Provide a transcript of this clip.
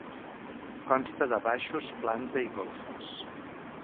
Consta de baixos, planta i golfes.